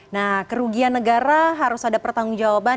nah kerugian negara harus ada pertanggung jawaban